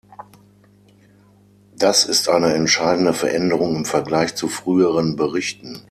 Das ist eine entscheidende Veränderung im Vergleich zu früheren Berichten.